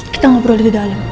kita gak perlu ada di dalam